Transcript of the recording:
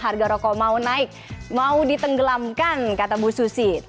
harga rokok mau naik mau ditenggelamkan kata bu susi